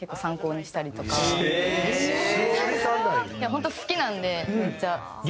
本当好きなんでめっちゃ。